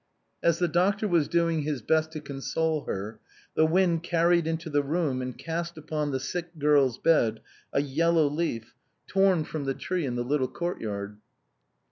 As the doctor was doing his best to console her, the wind carried into the room and cast upon the sick girl's bed a yellow leaf, torn from the tree in the little courtyard.